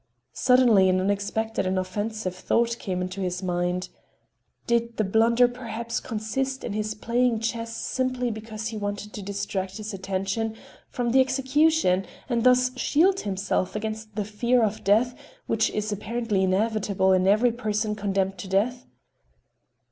Suddenly an unexpected and offensive thought came into his mind: Did the blunder perhaps consist in his playing chess simply because he wanted to distract his attention from the execution and thus shield himself against the fear of death which is apparently inevitable in every person condemned to death?